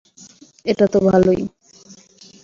এটা তো ভালোই।